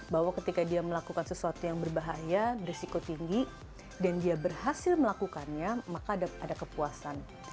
bahwa ketika dia melakukan sesuatu yang berbahaya berisiko tinggi dan dia berhasil melakukannya maka ada kepuasan